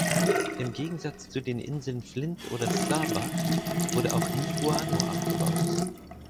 Im Gegensatz zu den Inseln Flint oder Starbuck wurde auch nie Guano abgebaut.